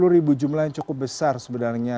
dua puluh ribu jumlahnya cukup besar sebenarnya